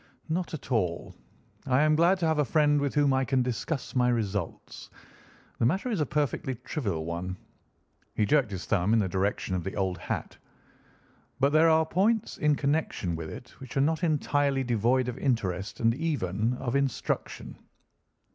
"Not at all. I am glad to have a friend with whom I can discuss my results. The matter is a perfectly trivial one"—he jerked his thumb in the direction of the old hat—"but there are points in connection with it which are not entirely devoid of interest and even of instruction."